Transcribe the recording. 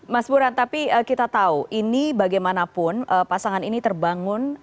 mas buran tapi kita tahu ini bagaimanapun pasangan ini terbangun